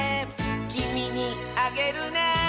「きみにあげるね」